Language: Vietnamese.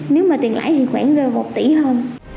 nếu mà tiền lãi thì khoảng rơi một tỷ hơn